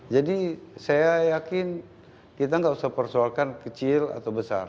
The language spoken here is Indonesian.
jadi saya yakin kita enggak usah persoalkan kecil atau besar